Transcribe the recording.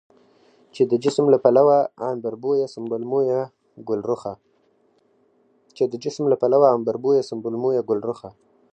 چې د جسم له پلوه عنبربويه، سنبل مويه، ګلرخه،